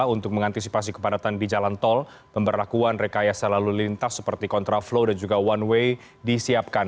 untuk mengantisipasi kepadatan di jalan tol pemberlakuan rekayasa lalu lintas seperti kontraflow dan juga one way disiapkan